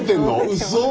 うそ！